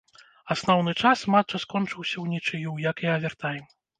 Асноўны час матча скончыўся ўнічыю, як і авертайм.